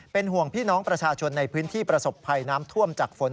เป็นห่วงพี่น้องประชาชนในพื้นที่ประสบภัยน้ำท่วมจากฝน